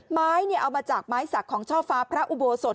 ไม้เอามาจากไม้สักของช่อฟ้าพระอุโบสถ